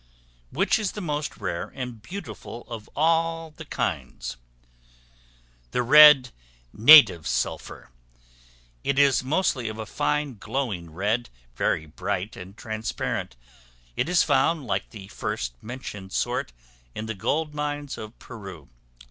Which is the most rare and beautiful of all the kinds? The red native sulphur; it is mostly of a fine glowing red, very bright and transparent; it is found, like the first mentioned sort, in the gold mines of Peru.